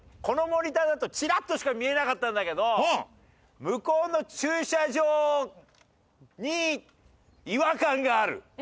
このモニターだとチラッとしか見えなかったんだけど向こうの駐車場に違和感がある。